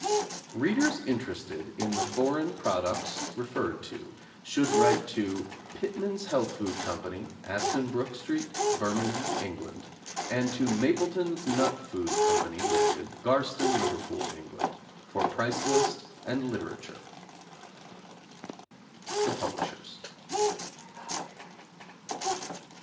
Readers interested in the foreign products referred to, should write to Pitman's Health Food Company, Aston Brook St., Birmingham, England, and to Mapleton's Nut Food Company, Ltd., Garston, Liverpool, England, for price list and literature. THE PUBLISHERS.